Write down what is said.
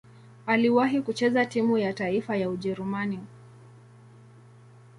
Aliwahi kucheza timu ya taifa ya Ujerumani.